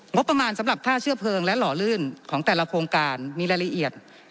งบประมาณสำหรับค่าเชื้อเพลิงและหล่อลื่นของแต่ละโครงการมีรายละเอียด